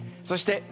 そして。